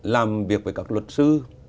làm việc với các luật sư